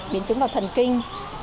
biến chứng vào thần kinh